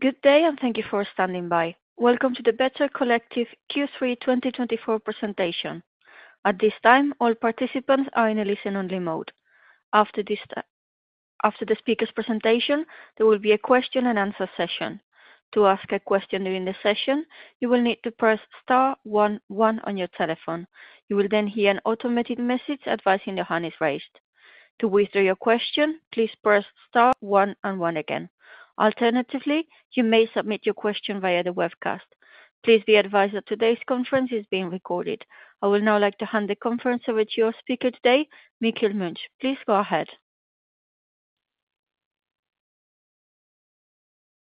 Good day, and thank you for standing by. Welcome to the Better Collective Q3 2024 presentation. At this time, all participants are in a listen-only mode. After the speaker's presentation, there will be a question-and-answer session. To ask a question during the session, you will need to press *11 on your telephone. You will then hear an automated message advising your hand is raised. To withdraw your question, please press *11 again. Alternatively, you may submit your question via the webcast. Please be advised that today's conference is being recorded. I would now like to hand the conference over to your speaker today, Mikkel Munch. Please go ahead.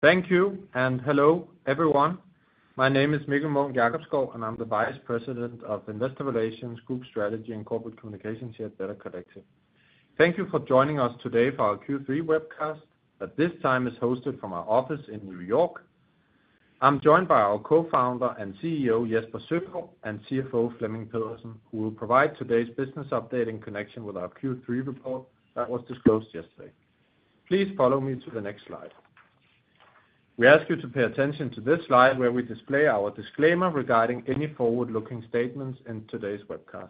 Thank you, and hello everyone. My name is Mikkel Munch-Jacobsgaard, and I'm the Vice President of Investor Relations, Group Strategy, and Corporate Communications here at Better Collective. Thank you for joining us today for our Q3 webcast that this time is hosted from our office in New York. I'm joined by our Co-founder and CEO, Jesper Søgaard, and CFO, Flemming Pedersen, who will provide today's business update in connection with our Q3 report that was disclosed yesterday. Please follow me to the next slide. We ask you to pay attention to this slide where we display our disclaimer regarding any forward-looking statements in today's webcast.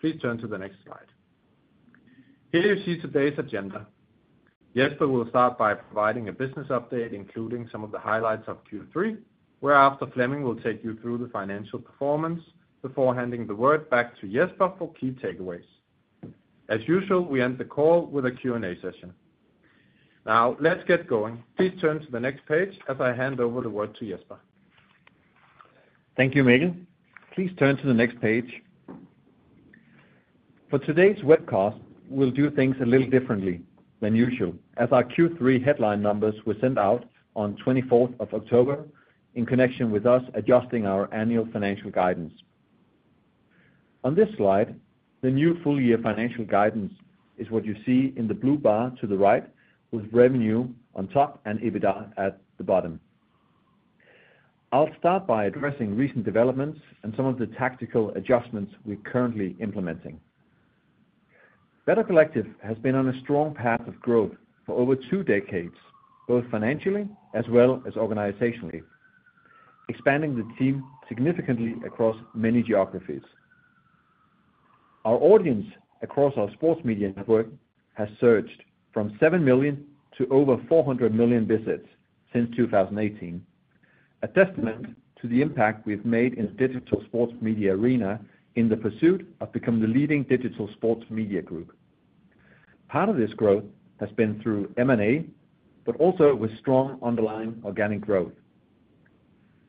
Please turn to the next slide. Here you see today's agenda. Jesper will start by providing a business update, including some of the highlights of Q3, where after Flemming will take you through the financial performance before handing the word back to Jesper for key takeaways. As usual, we end the call with a Q&A session. Now, let's get going. Please turn to the next page as I hand over the word to Jesper. Thank you, Mikkel. Please turn to the next page. For today's webcast, we'll do things a little differently than usual, as our Q3 headline numbers were sent out on the 24th of October in connection with us adjusting our annual financial guidance. On this slide, the new full-year financial guidance is what you see in the blue bar to the right, with revenue on top and EBITDA at the bottom. I'll start by addressing recent developments and some of the tactical adjustments we're currently implementing. Better Collective has been on a strong path of growth for over two decades, both financially as well as organizationally, expanding the team significantly across many geographies. Our audience across our sports media network has surged from 7 million to over 400 million visits since 2018, a testament to the impact we've made in the digital sports media arena in the pursuit of becoming the leading digital sports media group. Part of this growth has been through M&A, but also with strong underlying organic growth.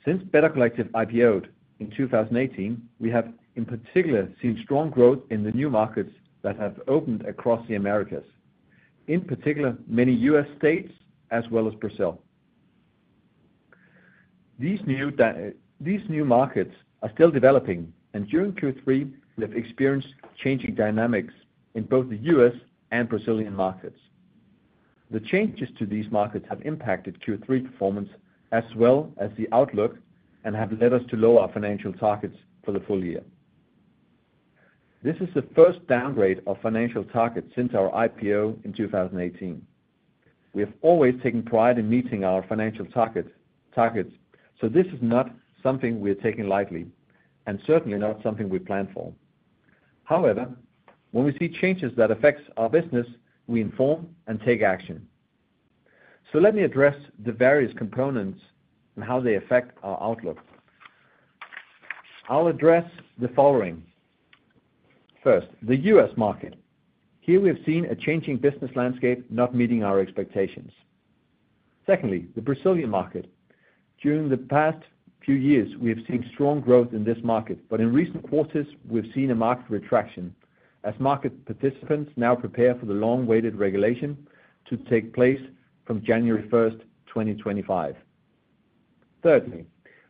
Since Better Collective IPO'd in 2018, we have in particular seen strong growth in the new markets that have opened across the Americas, in particular many U.S. states as well as Brazil. These new markets are still developing, and during Q3, we have experienced changing dynamics in both the U.S. and Brazilian markets. The changes to these markets have impacted Q3 performance as well as the outlook and have led us to lower our financial targets for the full year. This is the first downgrade of financial targets since our IPO in 2018. We have always taken pride in meeting our financial targets, so this is not something we're taking lightly and certainly not something we planned for. However, when we see changes that affect our business, we inform and take action. So let me address the various components and how they affect our outlook. I'll address the following. First, the US market. Here we have seen a changing business landscape not meeting our expectations. Secondly, the Brazilian market. During the past few years, we have seen strong growth in this market, but in recent quarters, we've seen a market retraction as market participants now prepare for the long-awaited regulation to take place from January 1st, 2025. Thirdly,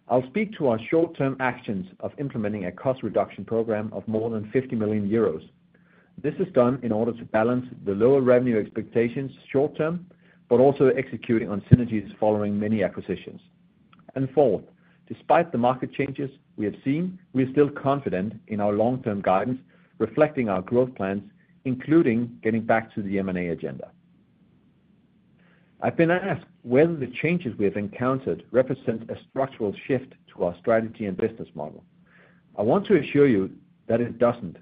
I'll speak to our short-term actions of implementing a cost reduction program of more than € 50 million. This is done in order to balance the lower revenue expectations short-term, but also executing on synergies following many acquisitions, and fourth, despite the market changes we have seen, we are still confident in our long-term guidance reflecting our growth plans, including getting back to the M&A agenda. I've been asked whether the changes we have encountered represent a structural shift to our strategy and business model. I want to assure you that it doesn't.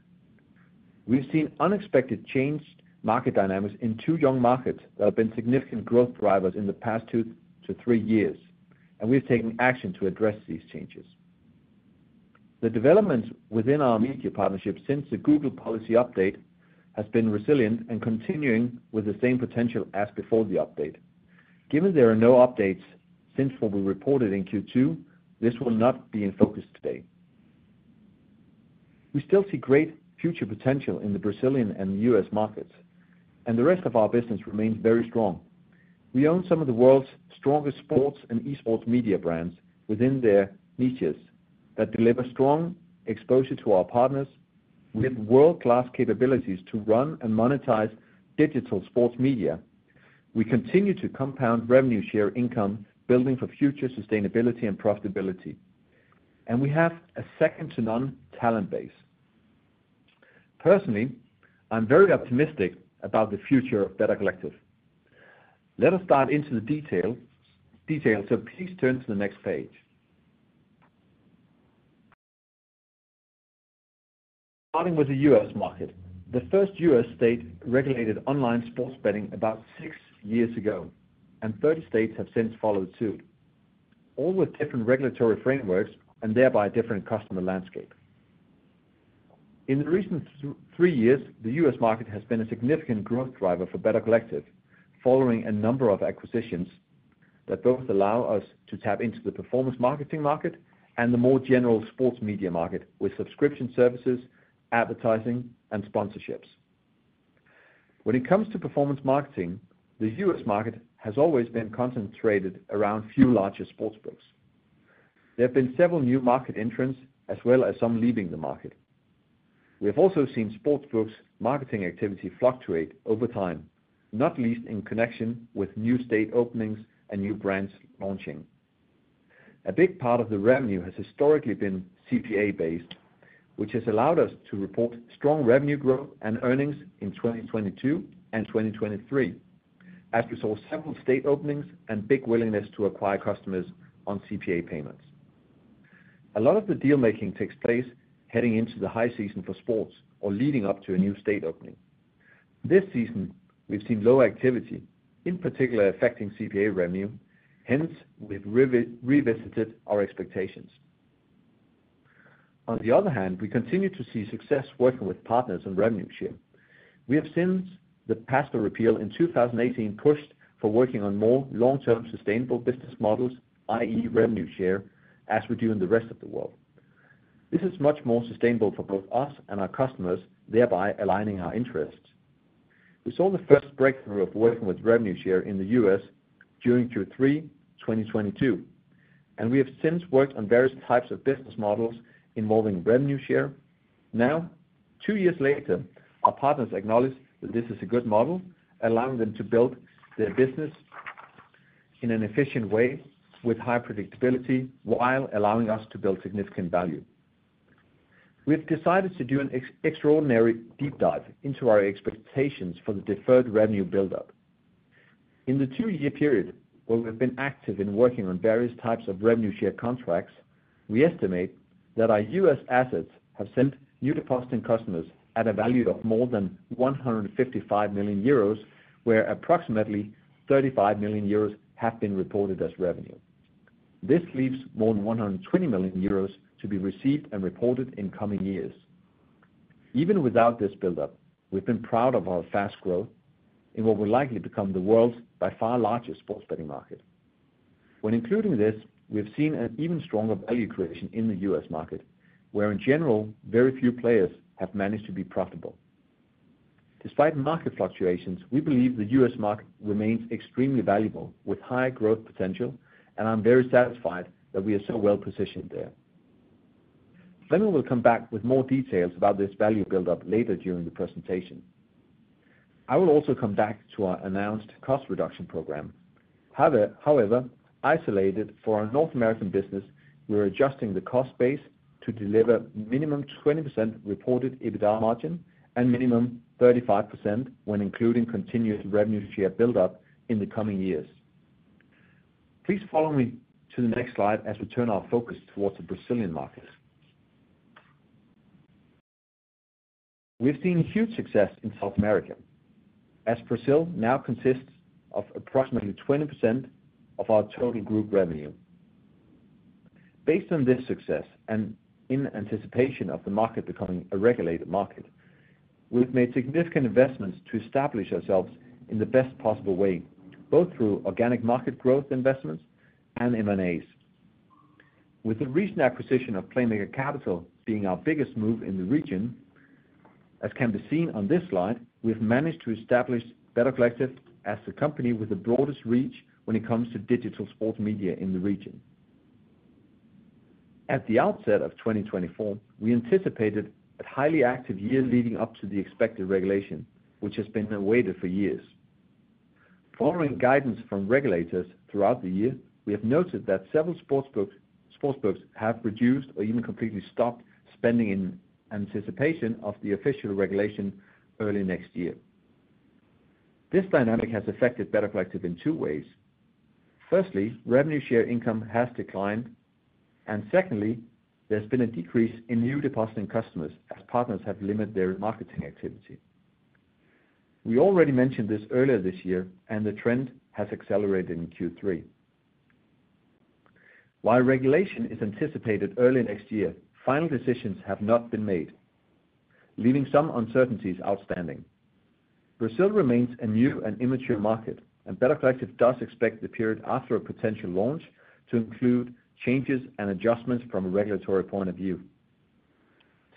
We've seen unexpected changed market dynamics in two young markets that have been significant growth drivers in the past two to three years, and we've taken action to address these changes. The developments within our media partnership since the Google policy update has been resilient and continuing with the same potential as before the update. Given there are no updates since what we reported in Q2, this will not be in focus today. We still see great future potential in the Brazilian and U.S. markets, and the rest of our business remains very strong. We own some of the world's strongest sports and e-sport media brands within their niches that deliver strong exposure to our partners. We have world-class capabilities to run and monetize digital sports media. We continue to compound revenue share income building for future sustainability and profitability, and we have a second-to-none talent base. Personally, I'm very optimistic about the future of Better Collective. Let us dive into the details, so please turn to the next page. Starting with the U.S. market, the first U.S. state regulated online sports betting about six years ago, and 30 states have since followed suit, all with different regulatory frameworks and thereby a different customer landscape. In the recent three years, the U.S. market has been a significant growth driver for Better Collective, following a number of acquisitions that both allow us to tap into the performance marketing market and the more general sports media market with subscription services, advertising, and sponsorships. When it comes to performance marketing, the U.S. market has always been concentrated around few larger sports books. There have been several new market entrants as well as some leaving the market. We have also seen sports books' marketing activity fluctuate over time, not least in connection with new state openings and new brands launching. A big part of the revenue has historically been CPA-based, which has allowed us to report strong revenue growth and earnings in 2022 and 2023 as we saw several state openings and big willingness to acquire customers on CPA payments. A lot of the deal-making takes place heading into the high season for sports or leading up to a new state opening. This season, we've seen low activity, in particular affecting CPA revenue. Hence, we've revisited our expectations. On the other hand, we continue to see success working with partners on revenue share. We have since the PASPA repeal in 2018 pushed for working on more long-term sustainable business models, i.e. revenue share, as we do in the rest of the world. This is much more sustainable for both us and our customers, thereby aligning our interests. We saw the first breakthrough of working with revenue share in the U.S. during Q3 2022, and we have since worked on various types of business models involving revenue share. Now, two years later, our partners acknowledge that this is a good model, allowing them to build their business in an efficient way with high predictability while allowing us to build significant value. We've decided to do an extraordinary deep dive into our expectations for the deferred revenue build-up. In the two-year period where we've been active in working on various types of revenue share contracts, we estimate that our U.S. assets have sent new depositing customers at a value of more than €155 million, where approximately €35 million have been reported as revenue. This leaves more than €120 million to be received and reported in coming years. Even without this build-up, we've been proud of our fast growth in what will likely become the world's by far largest sports betting market. When including this, we've seen an even stronger value creation in the U.S. market, where in general, very few players have managed to be profitable. Despite market fluctuations, we believe the U.S. market remains extremely valuable with high growth potential, and I'm very satisfied that we are so well positioned there. Flemming will come back with more details about this value build-up later during the presentation. I will also come back to our announced cost reduction program. However, isolated for our North American business, we're adjusting the cost base to deliver minimum 20% reported EBITDA margin and minimum 35% when including continued revenue share build-up in the coming years. Please follow me to the next slide as we turn our focus towards the Brazilian market. We've seen huge success in South America as Brazil now consists of approximately 20% of our total group revenue. Based on this success and in anticipation of the market becoming a regulated market, we've made significant investments to establish ourselves in the best possible way, both through organic market growth investments and M&As. With the recent acquisition of Playmaker Capital being our biggest move in the region, as can be seen on this slide, we've managed to establish Better Collective as the company with the broadest reach when it comes to digital sports media in the region. At the outset of 2024, we anticipated a highly active year leading up to the expected regulation, which has been awaited for years. Following guidance from regulators throughout the year, we have noted that several sports books have reduced or even completely stopped spending in anticipation of the official regulation early next year. This dynamic has affected Better Collective in two ways. Firstly, revenue share income has declined, and secondly, there's been a decrease in new depositing customers as partners have limited their marketing activity. We already mentioned this earlier this year, and the trend has accelerated in Q3. While regulation is anticipated early next year, final decisions have not been made, leaving some uncertainties outstanding. Brazil remains a new and immature market, and Better Collective does expect the period after a potential launch to include changes and adjustments from a regulatory point of view,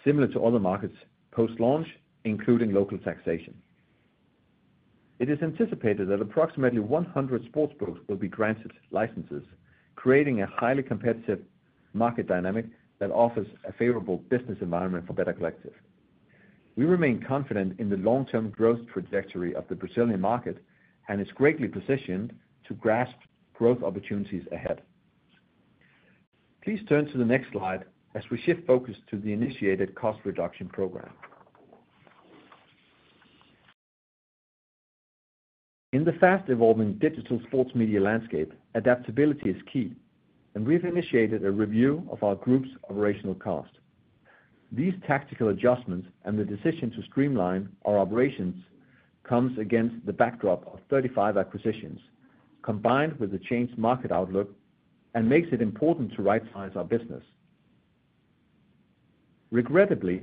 similar to other markets post-launch, including local taxation. It is anticipated that approximately 100 sports books will be granted licenses, creating a highly competitive market dynamic that offers a favorable business environment for Better Collective. We remain confident in the long-term growth trajectory of the Brazilian market and is greatly positioned to grasp growth opportunities ahead. Please turn to the next slide as we shift focus to the initiated cost reduction program. In the fast-evolving digital sports media landscape, adaptability is key, and we've initiated a review of our group's operational cost. These tactical adjustments and the decision to streamline our operations comes against the backdrop of 35 acquisitions combined with the changed market outlook and makes it important to right-size our business. Regrettably,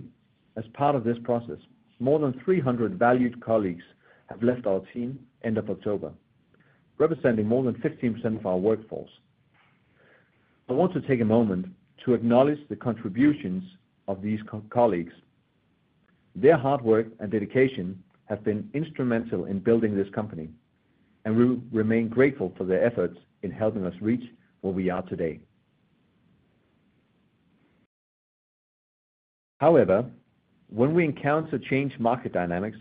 as part of this process, more than 300 valued colleagues have left our team, end of October, representing more than 15% of our workforce. I want to take a moment to acknowledge the contributions of these colleagues. Their hard work and dedication have been instrumental in building this company, and we remain grateful for their efforts in helping us reach where we are today. However, when we encounter changed market dynamics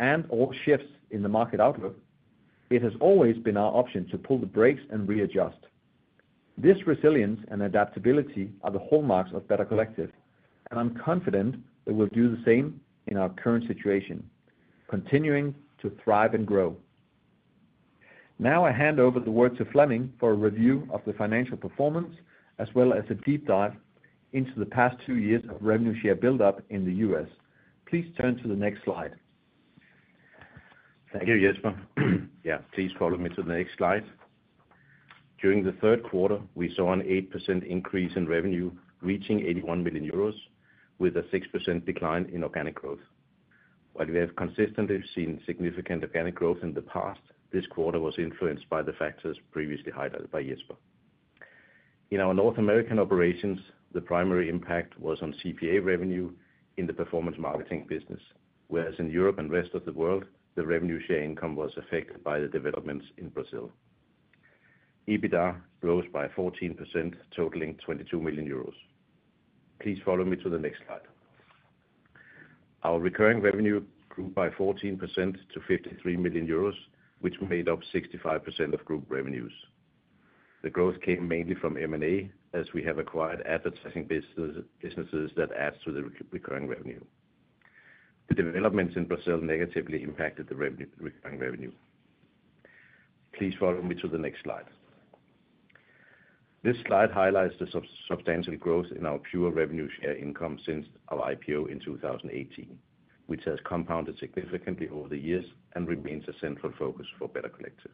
and/or shifts in the market outlook, it has always been our option to pull the brakes and readjust. This resilience and adaptability are the hallmarks of Better Collective, and I'm confident that we'll do the same in our current situation, continuing to thrive and grow. Now I hand over the word to Flemming for a review of the financial performance as well as a deep dive into the past two years of revenue share build-up in the US. Please turn to the next slide. Thank you, Jesper. Yeah, please follow me to the next slide. During the third quarter, we saw an 8% increase in revenue reaching €81 million, with a 6% decline in organic growth. While we have consistently seen significant organic growth in the past, this quarter was influenced by the factors previously highlighted by Jesper. In our North American operations, the primary impact was on CPA revenue in the performance marketing business, whereas in Europe and the rest of the world, the revenue share income was affected by the developments in Brazil. EBITDA rose by 14%, totaling €22 million. Please follow me to the next slide. Our recurring revenue grew by 14% to €53 million, which made up 65% of group revenues. The growth came mainly from M&A as we have acquired advertising businesses that adds to the recurring revenue. The developments in Brazil negatively impacted the recurring revenue. Please follow me to the next slide. This slide highlights the substantial growth in our pure revenue share income since our IPO in 2018, which has compounded significantly over the years and remains a central focus for Better Collective.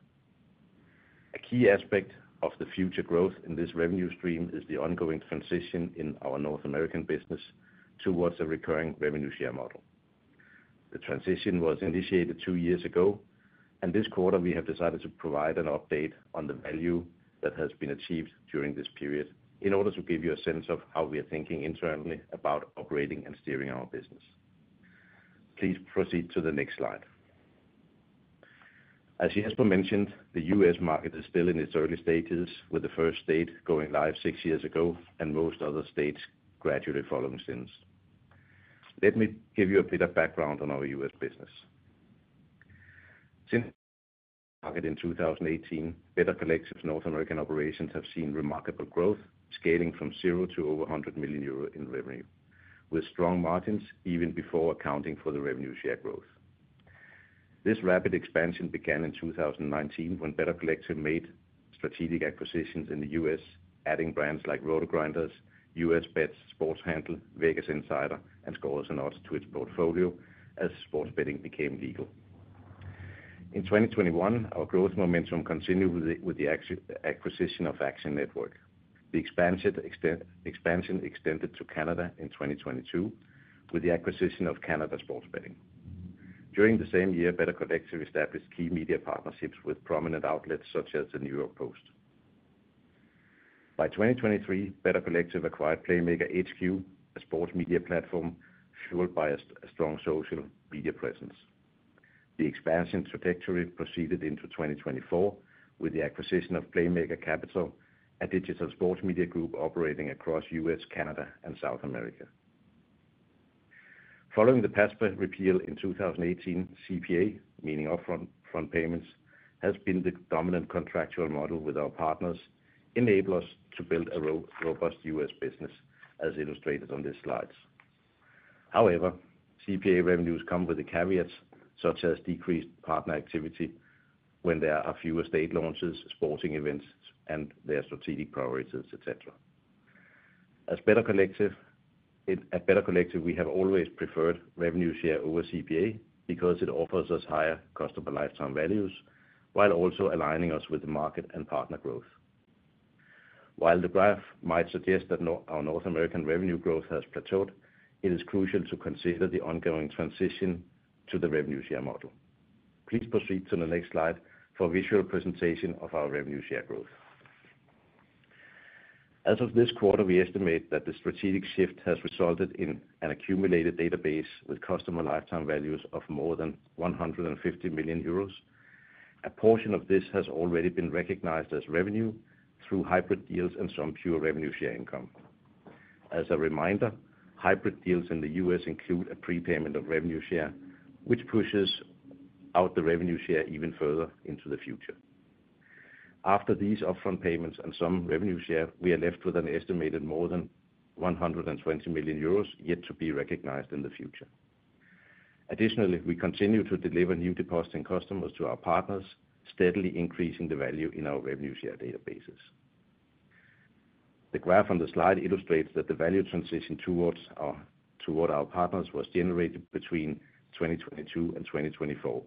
A key aspect of the future growth in this revenue stream is the ongoing transition in our North American business towards a recurring revenue share model. The transition was initiated two years ago, and this quarter we have decided to provide an update on the value that has been achieved during this period in order to give you a sense of how we are thinking internally about operating and steering our business. Please proceed to the next slide. As Jesper mentioned, the U.S. market is still in its early stages, with the first state going live six years ago, and most other states gradually following since. Let me give you a bit of background on our U.S. business. Since the market in 2018, Better Collective's North American operations have seen remarkable growth, scaling from €0 to over €100 million in revenue, with strong margins even before accounting for the revenue share growth. This rapid expansion began in 2019 when Better Collective made strategic acquisitions in the U.S., adding brands like RotoGrinders, US Bets, Sports Handle, VegasInsider, and ScoresAndOdds to its portfolio as sports betting became legal. In 2021, our growth momentum continued with the acquisition of Action Network. The expansion extended to Canada in 2022 with the acquisition of Canada Sports Betting. During the same year, Better Collective established key media partnerships with prominent outlets such as The New York Post. By 2023, Better Collective acquired Playmaker HQ, a sports media platform fueled by a strong social media presence. The expansion trajectory proceeded into 2024 with the acquisition of Playmaker Capital, a digital sports media group operating across U.S., Canada, and South America. Following the past repeal in 2018, CPA, meaning upfront payments, has been the dominant contractual model with our partners, enabling us to build a robust U.S. business, as illustrated on these slides. However, CPA revenues come with the caveats such as decreased partner activity when there are fewer state launches, sporting events, and their strategic priorities, etc. As Better Collective, we have always preferred revenue share over CPA because it offers us higher customer lifetime values while also aligning us with the market and partner growth. While the graph might suggest that our North American revenue growth has plateaued, it is crucial to consider the ongoing transition to the revenue share model. Please proceed to the next slide for a visual presentation of our revenue share growth. As of this quarter, we estimate that the strategic shift has resulted in an accumulated database with customer lifetime values of more than €150 million. A portion of this has already been recognized as revenue through hybrid deals and some pure revenue share income. As a reminder, hybrid deals in the U.S. include a prepayment of revenue share, which pushes out the revenue share even further into the future. After these upfront payments and some revenue share, we are left with an estimated more than €120 million yet to be recognized in the future. Additionally, we continue to deliver new depositing customers to our partners, steadily increasing the value in our revenue share databases. The graph on the slide illustrates that the value transition towards our partners was generated between 2022 and 2024.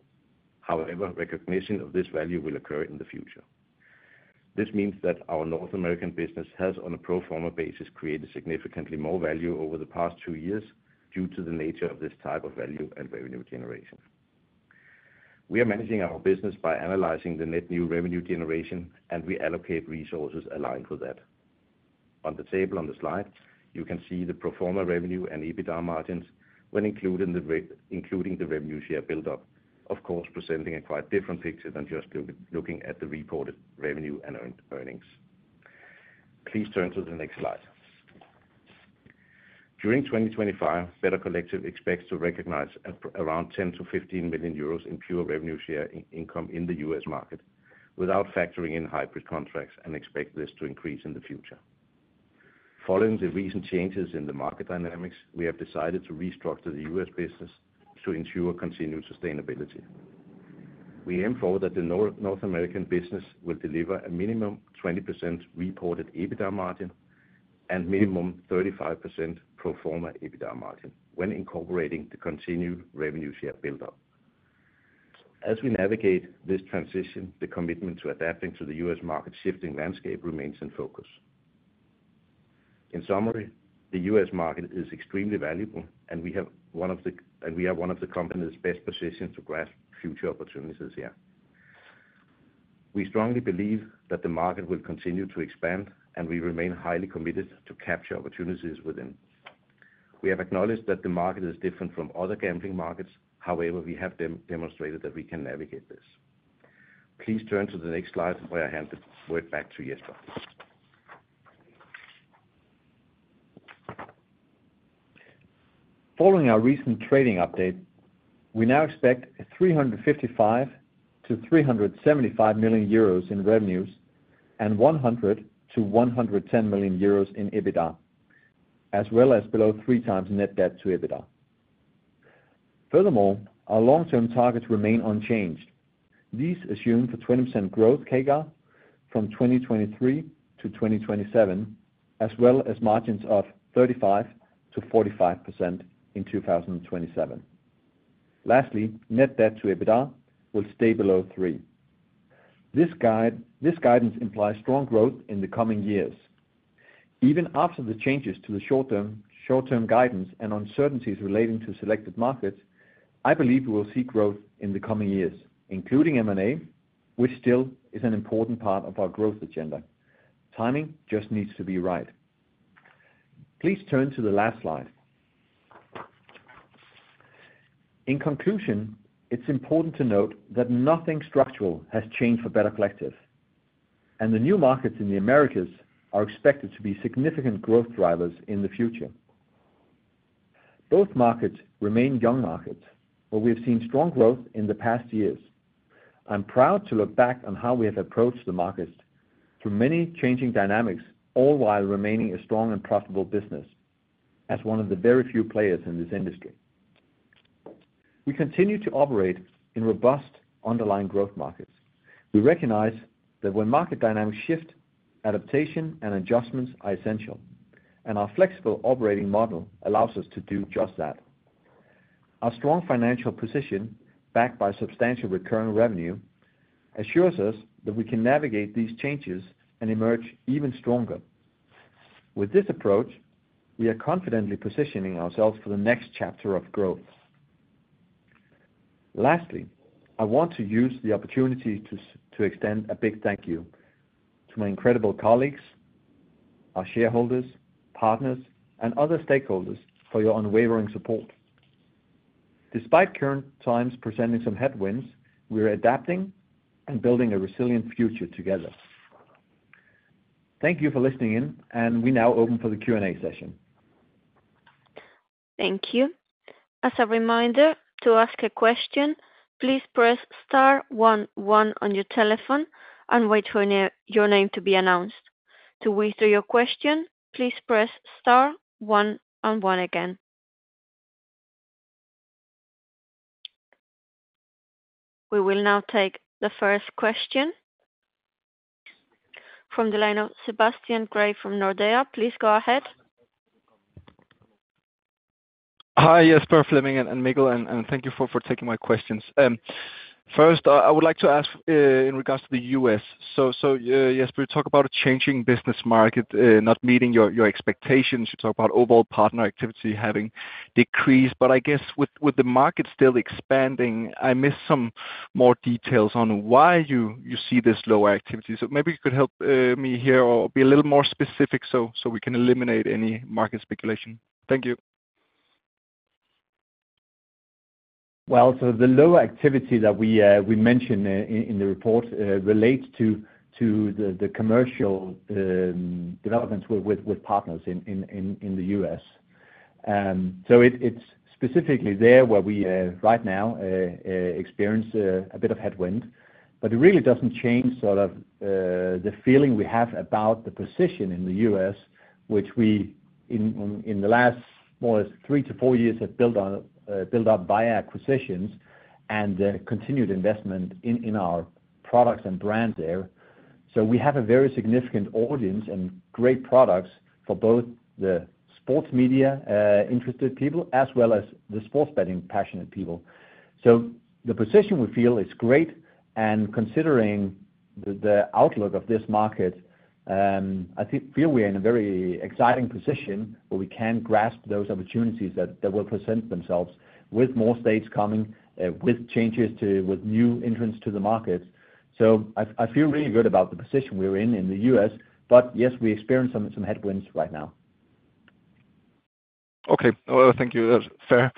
However, recognition of this value will occur in the future. This means that our North American business has, on a pro forma basis, created significantly more value over the past two years due to the nature of this type of value and revenue generation. We are managing our business by analyzing the net new revenue generation, and we allocate resources aligned with that. On the table on the slide, you can see the pro forma revenue and EBITDA margins when including the revenue share build-up, of course, presenting a quite different picture than just looking at the reported revenue and earnings. Please turn to the next slide. During 2025, Better Collective expects to recognize around €10-€15 million in pure revenue share income in the US market without factoring in hybrid contracts and expect this to increase in the future. Following the recent changes in the market dynamics, we have decided to restructure the U.S. business to ensure continued sustainability. We aim for that the North American business will deliver a minimum 20% reported EBITDA margin and minimum 35% pro forma EBITDA margin when incorporating the continued revenue share build-up. As we navigate this transition, the commitment to adapting to the U.S. market shifting landscape remains in focus. In summary, the U.S. market is extremely valuable, and we have one of the companies' best positions to grasp future opportunities here. We strongly believe that the market will continue to expand, and we remain highly committed to capture opportunities within. We have acknowledged that the market is different from other gambling markets. However, we have demonstrated that we can navigate this. Please turn to the next slide, where I hand the word back to Jesper. Following our recent trading update, we now expect €355-€375 million in revenues and €100-€110 million in EBITDA, as well as below three times net debt to EBITDA. Furthermore, our long-term targets remain unchanged. These assume a 20% growth CAGR from 2023 to 2027, as well as margins of 35%-45% in 2027. Lastly, net debt to EBITDA will stay below three. This guidance implies strong growth in the coming years. Even after the changes to the short-term guidance and uncertainties relating to selected markets, I believe we will see growth in the coming years, including M&A, which still is an important part of our growth agenda. Timing just needs to be right. Please turn to the last slide. In conclusion, it's important to note that nothing structural has changed for Better Collective, and the new markets in the Americas are expected to be significant growth drivers in the future. Both markets remain young markets, but we have seen strong growth in the past years. I'm proud to look back on how we have approached the markets through many changing dynamics, all while remaining a strong and profitable business as one of the very few players in this industry. We continue to operate in robust underlying growth markets. We recognize that when market dynamics shift, adaptation and adjustments are essential, and our flexible operating model allows us to do just that. Our strong financial position, backed by substantial recurring revenue, assures us that we can navigate these changes and emerge even stronger. With this approach, we are confidently positioning ourselves for the next chapter of growth. Lastly, I want to use the opportunity to extend a big thank you to my incredible colleagues, our shareholders, partners, and other stakeholders for your unwavering support. Despite current times presenting some headwinds, we are adapting and building a resilient future together. Thank you for listening in, and we now open for the Q&A session. Thank you. As a reminder, to ask a question, please press star one-one on your telephone and wait for your name to be announced. To withdraw your question, please press star one-one again. We will now take the first question from the line of Sebastian Grave from Nordea. Please go ahead. Hi, Jesper, Flemming, and Mikkel, and thank you for taking my questions. First, I would like to ask in regards to the U.S. So Jesper, you talk about a changing business market not meeting your expectations. You talk about overall partner activity having decreased. But I guess with the market still expanding, I miss some more details on why you see this lower activity. So maybe you could help me here or be a little more specific so we can eliminate any market speculation. Thank you. Well, so the low activity that we mentioned in the report relates to the commercial developments with partners in the U.S. So it's specifically there where we right now experience a bit of headwind. But it really doesn't change sort of the feeling we have about the position in the U.S., which we in the last more or less three to four years have built up via acquisitions and continued investment in our products and brands there. So we have a very significant audience and great products for both the sports media interested people as well as the sports betting passionate people. So the position we feel is great. And considering the outlook of this market, uhm I feel we are in a very exciting position where we can grasp those opportunities that will present themselves with more states coming, with changes to, with new entrants to the market. So I feel really good about the position we're in in the US. But yes, we experience some headwinds right now. Okay. Thank you, Jesper.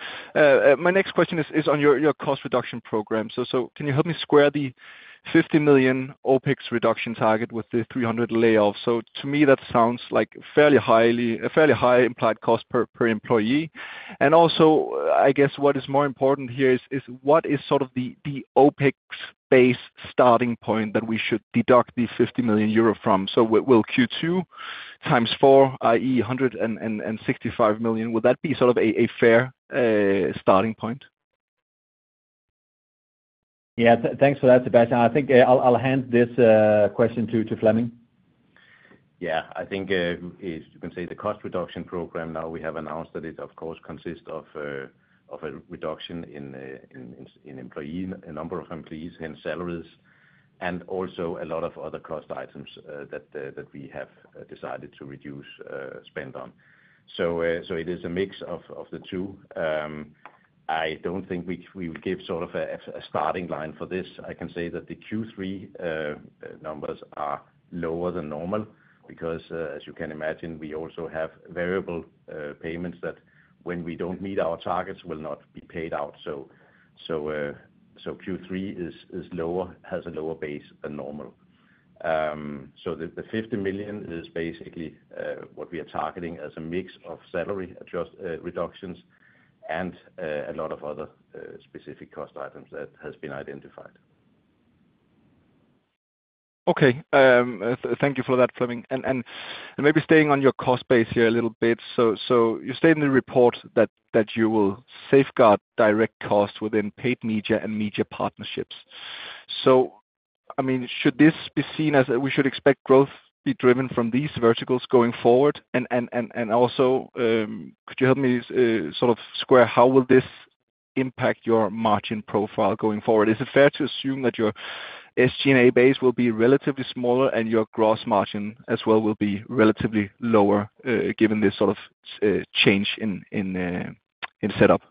My next question is on your cost reduction program. So can you help me square the €50 million OPEX reduction target with the €300 layoff? So to me, that sounds like a fairly high implied cost per employee. And also, I guess what is more important here is what is sort of the OPEX-based starting point that we should deduct the €50 million from? So will Q2 times four, i.e., €165 million, would that be sort of a fair starting point? Yeah. Thanks for that, Sebastian. I think I'll hand this uh question to Flemming. Yeah. I think you can say the cost reduction program now we have announced that it, of course, consists of a reduction in employee, a number of employees, hence salaries, and also a lot of other cost items that we have decided to reduce uh spend on. So it is a mix of the two. Um I don't think we will give sort of a starting line for this. I can say that the Q3 numbers are lower than normal because, as you can imagine, we also have variable payments that when we don't meet our targets will not be paid out. Souh so Q3 is lower, has a lower base than normal. The € 50 million is basically what we are targeting as a mix of salary reductions and a lot of other specific cost items that have been identified. Okay. Thank you for that, Flemming. And maybe staying on your cost base here a little bit. So you state in the report that you will safeguard direct costs within paid media and media partnerships. So I mean, should this be seen as we should expect growth be driven from these verticals going forward? And also, could you help me sort of square how will this impact your margin profile going forward? Is it fair to assume that your SG&A base will be relatively smaller and your gross margin as well will be relatively lower given this sort of change in setup?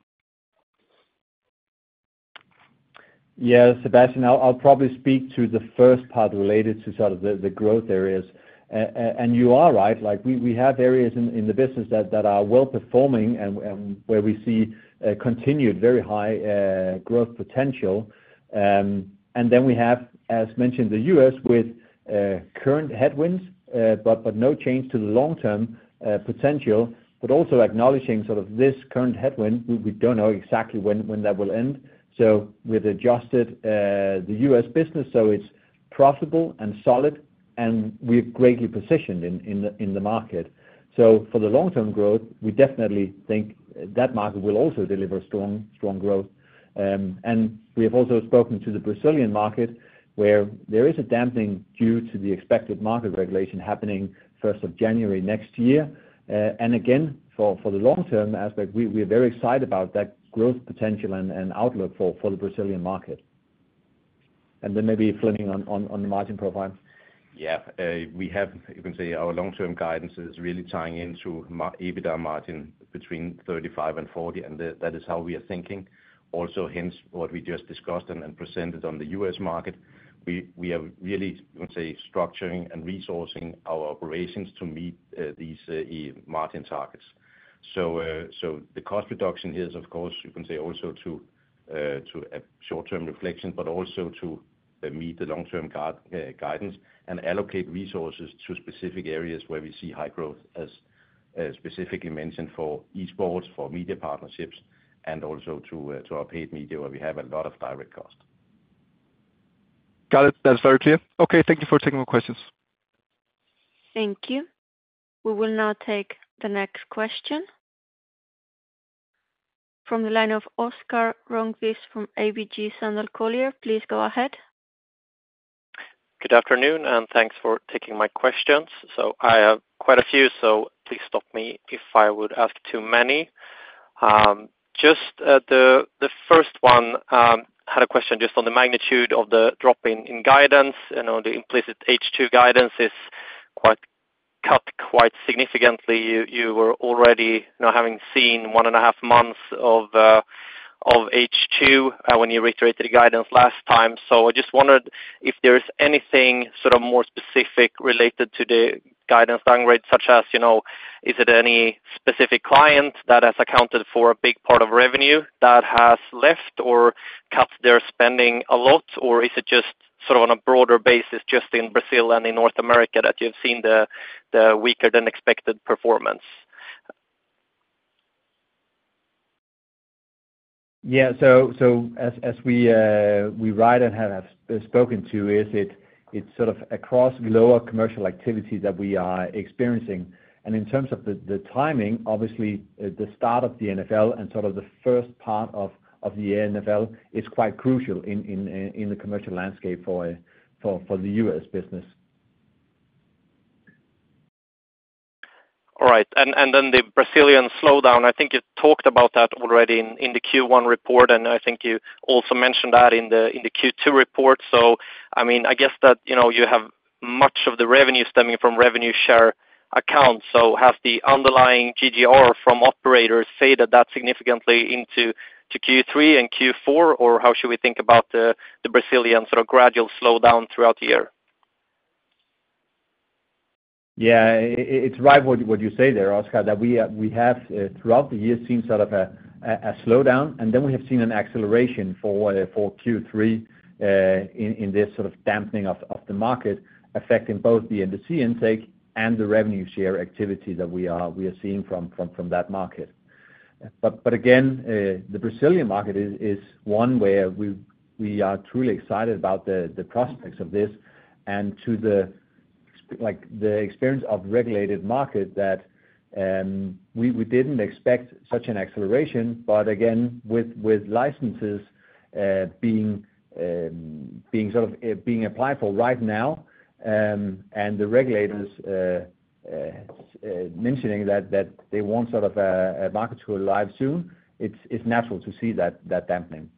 Yeah, Sebastian, I'll probably speak to the first part related to sort of the growth areas. And you are right. We have areas in the business that are well performing and where we see continued very high growth potential. And then we have, as mentioned, the U.S. with current headwinds, but no change to the long-term potential, but also acknowledging sort of this current headwind. We don't know exactly when that will end. So we've adjusted the U.S. business so it's profitable and solid, and we're greatly positioned in the market. So for the long-term growth, we definitely think that market will also deliver strong growth. Um and we have also spoken to the Brazilian market where there is a dampening due to the expected market regulation happening 1st of January next year. And again, for the long-term aspect, we are very excited about that growth potential and outlook for the Brazilian market. And then maybe Flemming on the margin profile. Yeah. We have, you can say, our long-term guidance is really tying into EBITDA margin between 35% and 40%, and that is how we are thinking. Also, hence what we just discussed and presented on the U.S. market. We are really, you can say, structuring and resourcing our operations to meet these margin targets. So the cost reduction here is, of course, you can say also to a short-term reflection, but also to meet the long-term guidance and allocate resources to specific areas where we see high growth, as specifically mentioned for eSports, for media partnerships, and also to our paid media where we have a lot of direct cost. Got it. That's very clear. Okay. Thank you for taking my questions. Thank you. We will now take the next question from the line of Oscar Rönnkvist from ABG Sundal Collier. Please go ahead. Good afternoon, and thanks for taking my questions. So I have quite a few, so please stop me if I would ask too many. um, just the first one had a question just on the magnitude of the drop in guidance and on the implicit H2 guidance is cut quite significantly. You were already having seen one and a half months of uh H2 when you reiterated the guidance last time. So I just wondered if there is anything sort of more specific related to the guidance downgrade, such as you know, is it any specific client that has accounted for a big part of revenue that has left or cut their spending a lot, or is it just sort of on a broader basis just in Brazil and in North America that you've seen the weaker than expected performance? Yeah. So as we write and have spoken to, it's sort of across lower commercial activity that we are experiencing. And in terms of the timing, obviously, the start of the NFL and sort of the first part of the NFL is quite crucial in the commercial landscape for the US business. All right. And then the Brazilian slowdown, I think you talked about that already in the Q1 report, and I think you also mentioned that in the Q2 report. So I mean, I guess that you have much of the revenue stemming from revenue share accounts. So has the underlying GGR from operators faded that significantly into Q3 and Q4, or how should we think about the Brazilian sort of gradual slowdown throughout the year? Yeah. It's right what you say there, Oscar, that we have throughout the year seen sort of a slowdown, and then we have seen an acceleration for Q3 in this sort of dampening of the market, affecting both the industry intake and the revenue share activity that we are seeing from that market. But again, the Brazilian market is one where we are truly excited about the prospects of this and to the experience of regulated market that we didn't expect such an acceleration. But again, with licenses being a sort of applied for right now and the regulators mentioning that they want sort of a market to arrive soon, it's natural to see that dampening.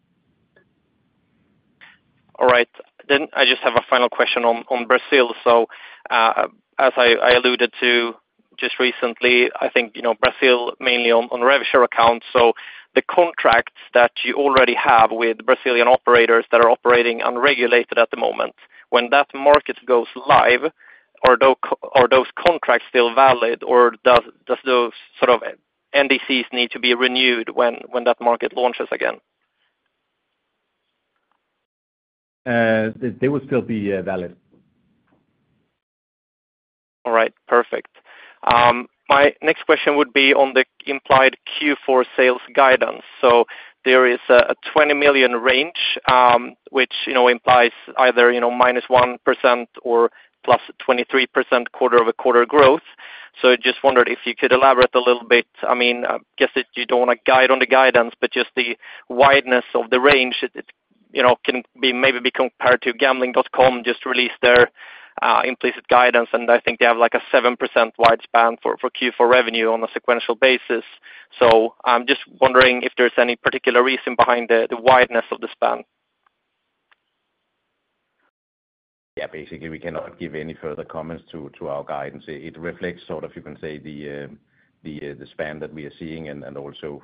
All right. Then I just have a final question on Brazil. So as I alluded to just recently, I think Brazil mainly on the revenue share accounts. So the contracts that you already have with Brazilian operators that are operating unregulated at the moment, when that market goes live, are those contracts still valid, or does those sort of NDCs need to be renewed when that market launches again? Uh, they will still be valid. All right. Perfect. My next question would be on the implied Q4 sales guidance. So there is a 20 million range, which implies either -1% or +23% quarter-over-quarter growth. So I just wondered if you could elaborate a little bit. I mean, I guess that you don't want to guide on the guidance, but just the wideness of the range you know can maybe be compared to Gambling.com just released their implicit guidance, and I think they have like a 7% wide span for Q4 revenue on a sequential basis. So I'm just wondering if there's any particular reason behind the wideness of the span. Yeah. Basically, we cannot give any further comments to our guidance. It reflects sort of, you can say, the uh the um the span that we are seeing and also,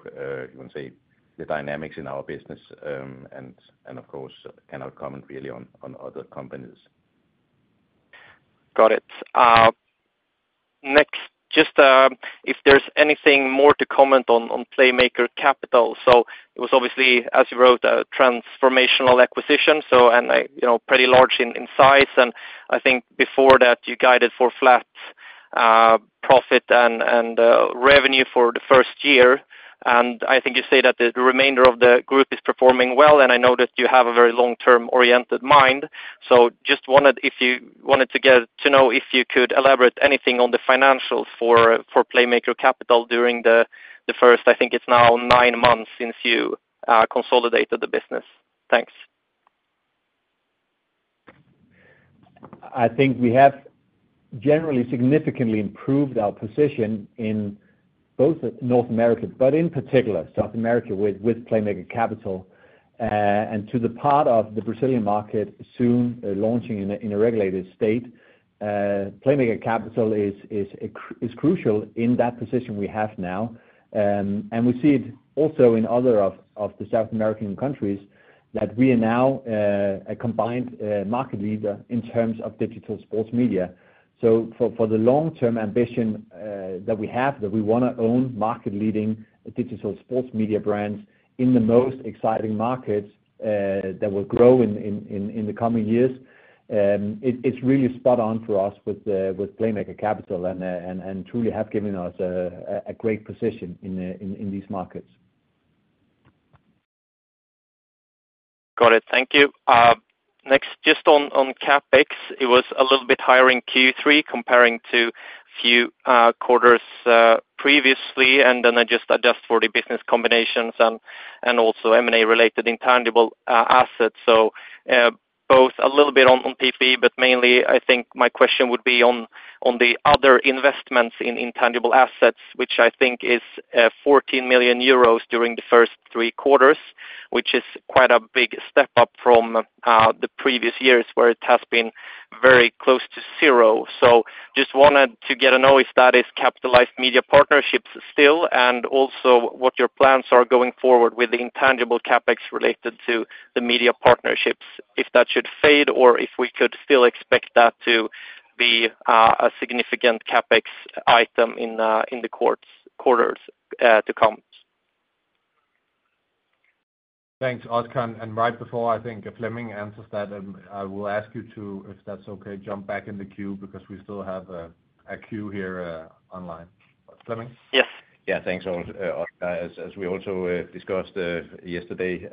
you can say, the dynamics in our business. And of course, cannot comment really on other companies. Got it. Next, just if there's anything more to comment on Playmaker Capital. So it was obviously, as you wrote, a transformational acquisition, and pretty large in size. And I think before that, you guided for flat profit and revenue for the first year. And I think you say that the remainder of the group is performing well, and I know that you have a very long-term oriented mind. So, just wanted if you wanted to get to know if you could elaborate anything on the financials for Playmaker Capital during the first, I think it's now nine months since you consolidated the business. Thanks. I think we have generally significantly improved our position in both North America, but in particular, South America with Playmaker Capital. And to the part of the Brazilian market soon launching in a regulated state, Playmaker Capital is crucial in that position we have now. And we see it also in other of the South American countries that we are now a combined market leader in terms of digital sports media. For the long-term ambition that we have, that we want to own market-leading digital sports media brands in the most exciting markets that will grow in the coming years, it's really spot on for us with Playmaker Capital and truly have given us a great position in these markets. Got it. Thank you. Next, just on CapEx, it was a little bit higher in Q3 comparing to a few quarters previously. And then I just adjust for the business combinations and also M&A-related intangible assets. So both a little bit on PP&E, but mainly, I think my question would be on the other investments in intangible assets, which I think is €14 million during the first three quarters, which is quite a big step up from uh the previous years where it has been very close to zero. So just wanted to get to know if that is capitalized media partnerships still and also what your plans are going forward with the intangible CapEx related to the media partnerships, if that should fade or if we could still expect that to be a significant CapEx item in the quarters to come. Thanks, Oscar. And right before, I think Flemming answers that, and I will ask you to, if that's okay, jump back in the queue because we still have a queue here online. Flemming? Yes. Yeah. Thanks, Oscar. As we also discussed yesterday,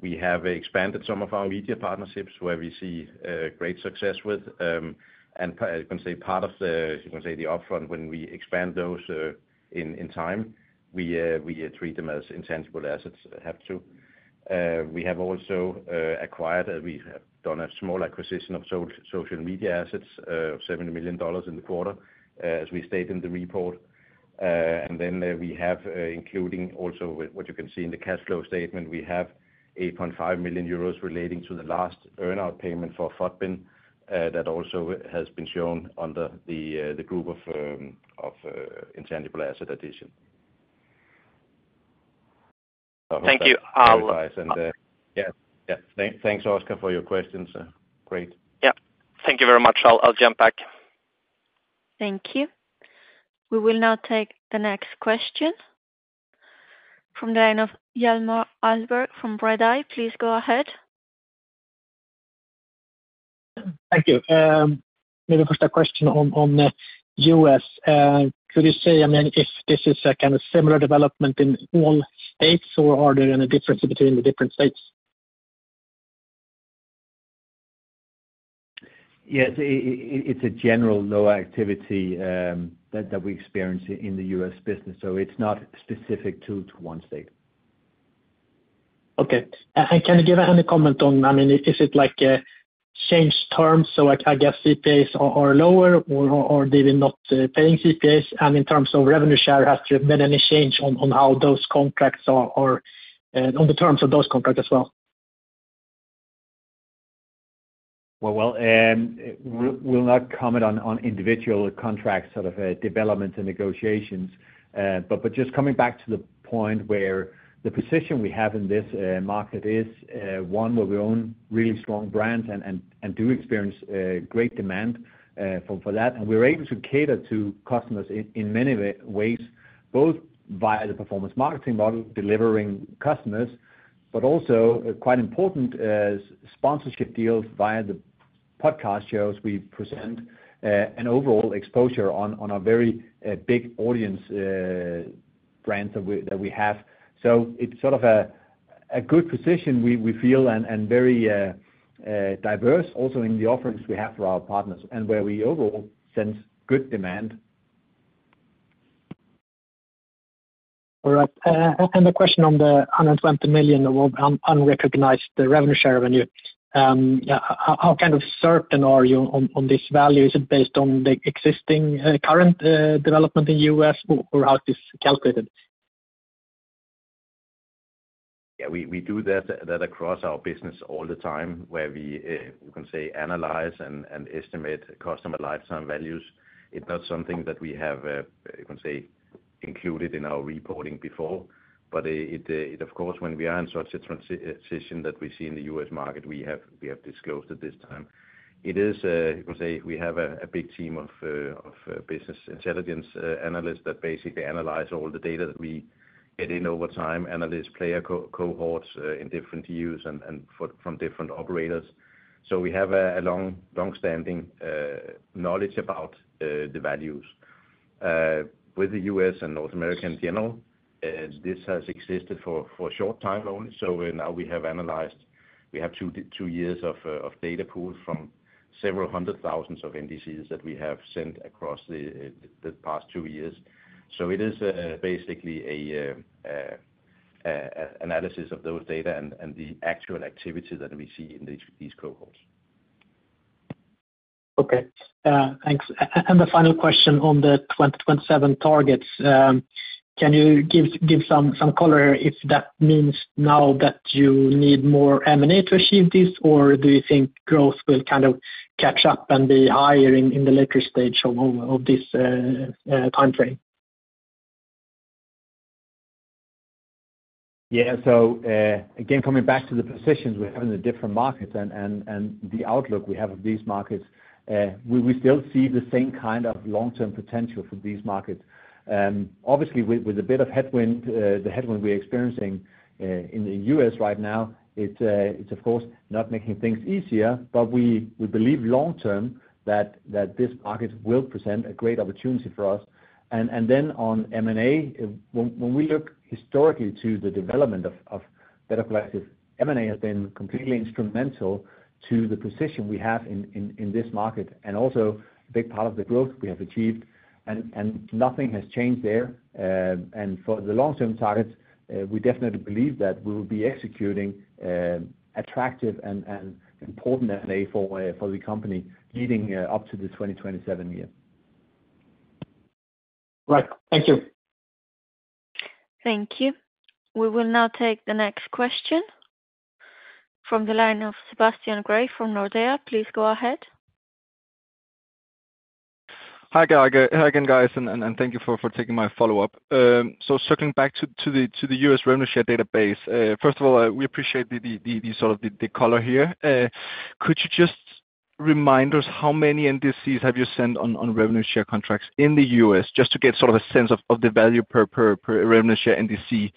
we have expanded some of our media partnerships where we see great success with. And I can say part of the, you can say, the upfront when we expand those in time, we treat them as intangible assets have to. We have also acquired, we have done a small acquisition of social media assets, $70 million in the quarter, as we stated in the report. And then we have, including also what you can see in the cash flow statement, we have €8.5 million relating to the last earnout payment for FUTBIN that also has been shown under the group of intangible asset addition. Thank you. Yeah. Thanks, Oscar, for your questions. Great. Yeah. Thank you very much. I'll jump back. Thank you. We will now take the next question from the line of Hjalmar Ahlberg from Redeye. Please go ahead. Thank you. Maybe first a question on the U.S. Could you say, I mean, if this is a kind of similar development in all states, or are there any differences between the different states? Yes. It's a general lower activity that we experience in the U.S. business. So it's not specific to one state. Okay. And can you give any comment on, I mean, is it like changed terms? So I guess CPAs are lower, or are they not paying CPAs? And in terms of revenue share, has there been any change on how those contracts are on the terms of those contracts as well? Well, we'll not comment on individual contracts sort of developments and negotiations. But just coming back to the point where the position we have in this market is one where we own really strong brands and do experience great demand for that. And we're able to cater to customers in many ways, both via the performance marketing model, delivering customers, but also quite important sponsorship deals via the podcast shows we present and overall exposure on our very big audience brands that we have. It's sort of a good position we feel and very diverse also in the offerings we have for our partners and where we overall sense good demand. All right. And the question on the €120 million of unrecognized revenue share revenue, how kind of certain are you on this value? Is it based on the existing current development in the U.S., or how is this calculated? Yeah. We do that across our business all the time where we, you can say, analyze and estimate customer lifetime values. It's not something that we have, you can say, included in our reporting before. But it, of course, when we are in such a transition that we see in the U.S. market, we have disclosed at this time. It is, you can say, we have a big team of business intelligence analysts that basically analyze all the data that we get in over time, analyze player cohorts in different years and from different operators. So we have a long-standing uh knowledge about uh the values. With the U.S. and North America in general, this has existed for a short time only. So now we have analyzed. We have two years of data pools from several hundred thousands of NDCs that we have sent across the past two years. So it is uh basically a analysis of those data and the actual activity that we see in these cohorts. Okay. Thanks. And the final question on the 2027 targets, can you give some color if that means now that you need more M&A to achieve this, or do you think growth will kind of catch up and be higher in the later stage of this timeframe? Yeah. So again, coming back to the positions we have in the different markets and the outlook we have of these markets, uh we still see the same kind of long-term potential for these markets. um, obviously, with a bit of headwind, the headwind we are experiencing in the U.S. right now, it's, of course, not making things easier, but we believe long-term that this market will present a great opportunity for us. And then on M&A, when we look historically to the development of Better Collective, M&A has been completely instrumental to the position we have in this market and also a big part of the growth we have achieved. And nothing has changed there. And for the long-term targets, we definitely believe that we will be executing attractive and important M&A for the company leading up to the 2027 year. Right. Thank you. Thank you. We will now take the next question from the line of Sebastian Grave from Nordea. Please go ahead. Hi, Grave again, guys, and thank you for taking my follow-up. So circling back to the U.S. revenue share database, first of all, we appreciate the sort of the color here. Uh, could you just remind us how many NDCs have you sent on revenue share contracts in the U.S. just to get sort of a sense of the value per revenue share NDC?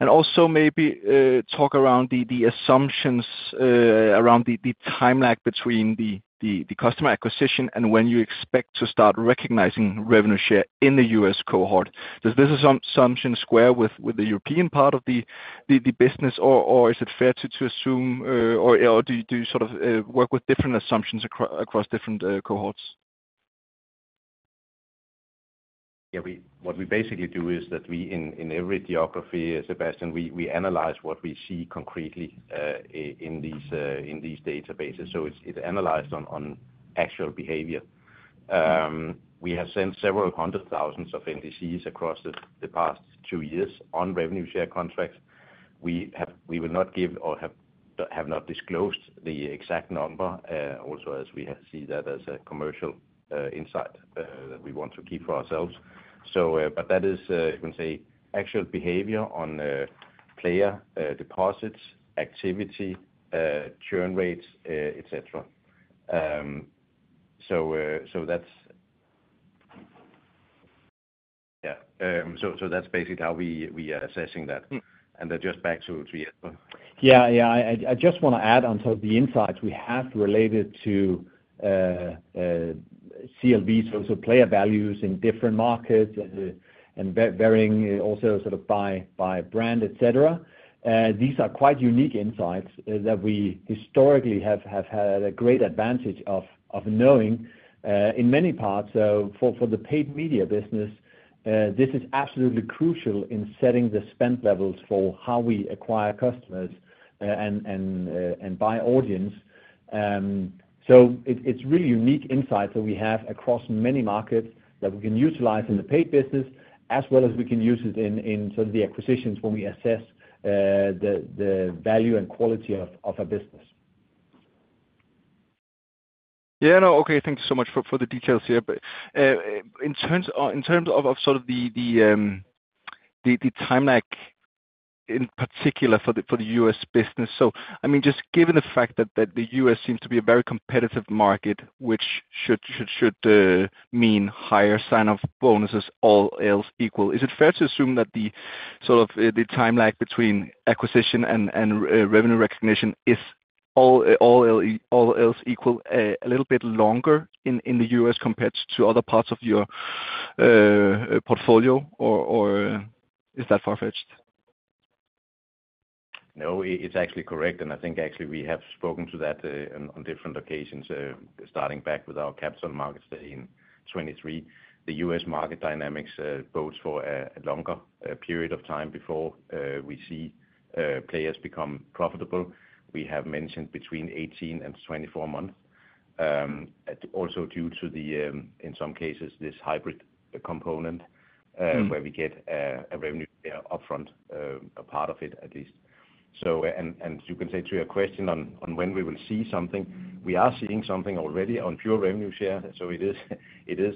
And also maybe talk around the assumptions around the time lag between the customer acquisition and when you expect to start recognizing revenue share in the U.S. cohort. Does this assumption square with the European part of the business, or is it fair to assume, or do you sort of work with different assumptions across different cohorts? Yeah. What we basically do is that in every geography, Sebastian, we analyze what we see concretely in these databases. So it's analyzed on actual behavior. um, we have sent several hundred thousands of NDCs across the past two years on revenue share contracts. We will not give or have not disclosed the exact number, also as we see that as a commercial insight uh we want to keep for ourselves. But that is, you can say, actual behavior on player deposits, activity, churn rates, etc. So that's basically how we are assessing that. And just back to you. Yeah. Yeah. I just want to add on to the insights we have related to uh CLVs, so player values in different markets and varying also sort of by brand, etc. These are quite unique insights that we historically have had a great advantage of knowing uh in many parts. So for the paid media business, this is absolutely crucial in setting the spend levels for how we acquire customers and buy audience. So it's really unique insights that we have across many markets that we can utilize in the paid business, as well as we can use it in sort of the acquisitions when we assess the value and quality of our business. Yeah. No. Okay. Thank you so much for the details here. In terms of sort of the time lag in particular for the U.S. business, so I mean, just given the fact that the U.S. seems to be a very competitive market, which should uh mean higher sign-up bonuses, all else equal, is it fair to assume that the sort of the time lag between acquisition and revenue recognition is all else equal a little bit longer in the U.S. compared to other parts of your portfolio, or is that far-fetched? No. It's actually correct. And I think actually we have spoken to that on different occasions, starting back with our Capital Market Study in 2023. The U.S. market dynamics bodes for a longer period of time before we see players become profitable. We have mentioned between 18 and 24 months, also due to the, in some cases, this hybrid component where we get a revenue share upfront, a part of it at least. And you can say to your question on when we will see something, we are seeing something already on pure revenue share. So it is, it is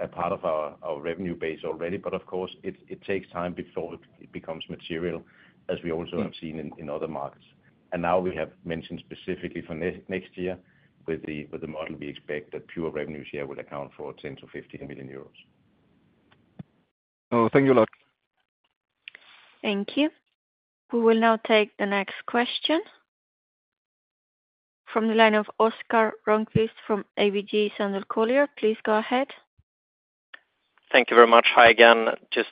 a part of our revenue base already. But of course, it takes time before it becomes material, as we also have seen in other markets. And now we have mentioned specifically for next year with the model we expect that pure revenue share will account for €10-€15 million. Oh, thank you a lot. Thank you. We will now take the next question from the line of Oscar Rönnkvist from ABG Sundal Collier. Please go ahead. Thank you very much. Hi again. Just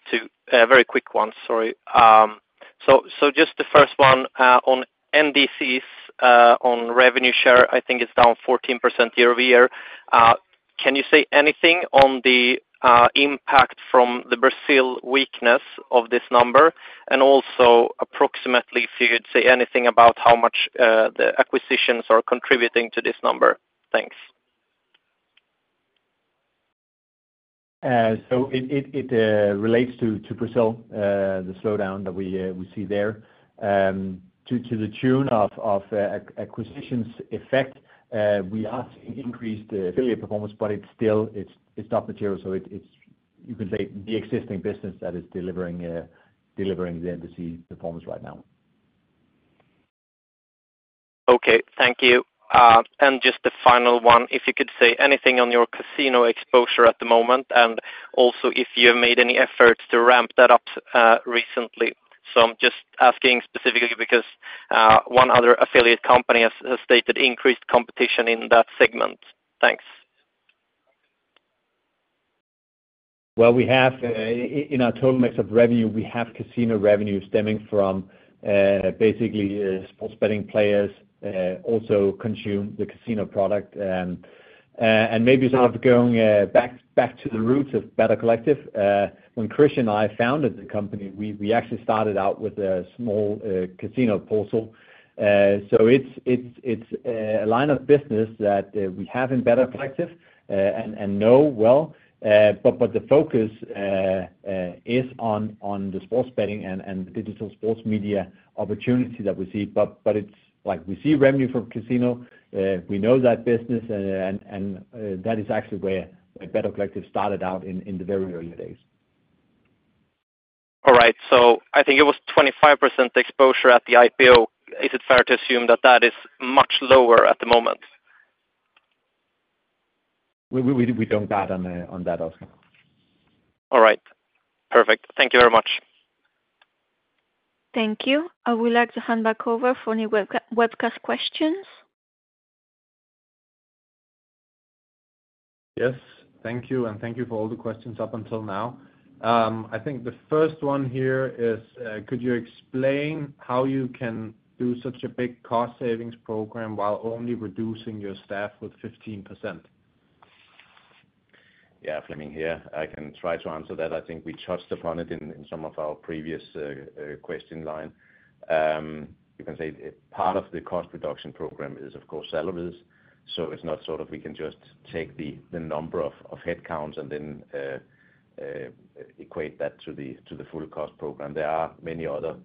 a very quick one. Sorry. um, so just the first one uh on NDCs on revenue share, I think it's down 14% year over year. uh, can you say anything on the impact from the Brazil weakness of this number? And also approximately, if you'd say anything about how much the acquisitions are contributing to this number? Thanks. So it relates to Brazil, the slowdown that we see there. To the tune of acquisitions effect, we are seeing increased affiliate performance, but it's still not material. So you can say the existing business that is delivering uh delivering the NDC performance right now. Okay. Thank you. Just the final one, if you could say anything on your casino exposure at the moment, and also if you have made any efforts to ramp that up recently. I'm just asking specifically because uh one other affiliate company has stated increased competition in that segment. Thanks. Well we have. In our total mix of revenue, we have casino revenue stemming from basically sports betting players also consume the casino product. Maybe sort of going back to the roots of Better Collective, when Christian and I founded the company, we actually started out with a small casino portal. It's a line of business that we have in Better Collective and know well. The focus is on the sports betting and digital sports media opportunity that we see. We see revenue from casino. We know that business, and that is actually where Better Collective started out in the very early days. All right. So I think it was 25% exposure at the IPO. Is it fair to assume that that is much lower at the moment? We really, we don't guide on that, Oscar. All right. Perfect. Thank you very much. Thank you. I would like to hand back over for any webcast questions. Yes. Thank you, and thank you for all the questions up until now. I think the first one here is, could you explain how you can do such a big cost savings program while only reducing your staff with 15%? Yeah. Flemming here. I can try to answer that. I think we touched upon it in some of our previous question line. You can say part of the cost reduction program is, of course, salaries. So it's not sort of we can just take the number of headcounts and then equate that to the full cost program. There are many other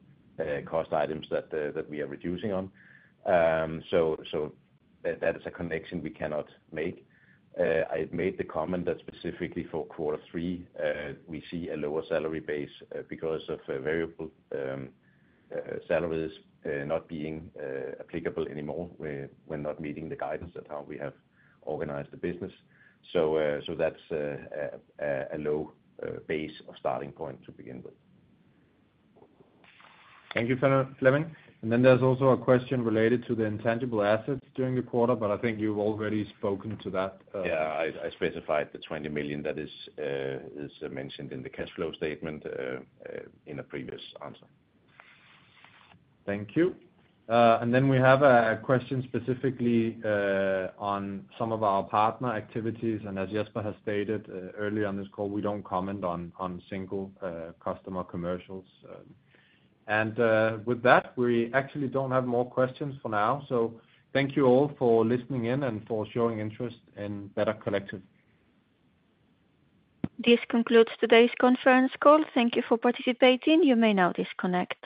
cost items that we are reducing on. So that is a connection we cannot make. I made the comment that specifically for quarter three, we see a lower salary base because of variable salaries not being applicable anymore. We're not meeting the guidance that how we have organized the business. So that's a low base of starting point to begin with. Thank you, Flemming. And then there's also a question related to the intangible assets during the quarter, but I think you've already spoken to that. Yeah. I specified the €20 million that is mentioned in the cash flow statement in a previous answer. Thank you. And then we have a question specifically on some of our partner activities. As Jesper has stated earlier on this call, we don't comment on single customer commercials. With that, we actually don't have more questions for now. Thank you all for listening in and for showing interest in Better Collective. This concludes today's conference call. Thank you for participating. You may now disconnect.